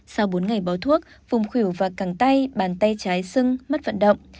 sau bốn ngày bói thuốc vùng khỉu và cẳng tay bàn tay trái sưng mất vận động